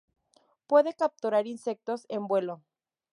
Puede capturar insectos en vuelo.